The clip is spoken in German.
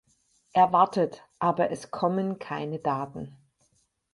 Er wartet, aber es kommen keine Daten.